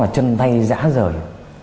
mà chân tay giã rời